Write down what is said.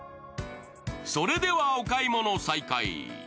それではお買い物再開。